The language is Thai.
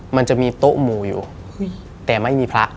มันจะมีโต๊ะหมู่อยู่แต่ไม่มีพระ